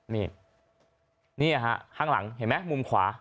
นี่นี่ฮะข้างหลังเห็นไหมมุมขวา